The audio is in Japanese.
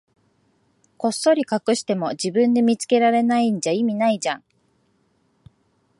こっそり隠しても、自分で見つけられないんじゃ意味ないじゃん。